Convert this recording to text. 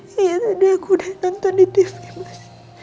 iya tadi aku udah nonton di tv mas